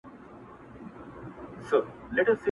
دا ئې گز، دا ئې ميدان.